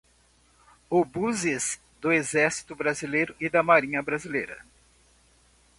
Obuses do exército brasileiro e da marinha brasileira